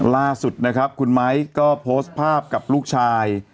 ล่าสุดนะครับคุณไม้ก็โพสต์ภาพกับลูกชาย